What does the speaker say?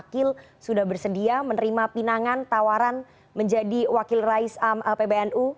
wakil sudah bersedia menerima pinangan tawaran menjadi wakil rais pbnu